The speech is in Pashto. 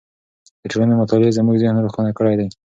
د ټولنې مطالعې زموږ ذهن روښانه کړی دی.